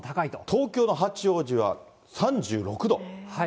東京の八王子は３６度。